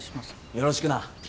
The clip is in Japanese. よろしくな。